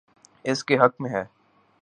اس کے حق میں ہے۔